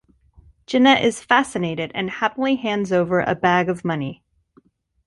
Jeanette is fascinated and happily hands over a bag of money.